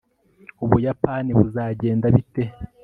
ubuyapani buzagenda bite